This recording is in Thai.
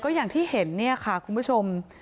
อย่างที่เห็นเนี่ยค่ะคุณผู้ชม